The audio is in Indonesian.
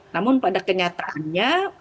namun pada kenyataannya